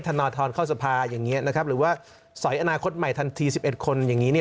ธนทรเข้าสภาอย่างนี้นะครับหรือว่าสอยอนาคตใหม่ทันที๑๑คนอย่างนี้เนี่ย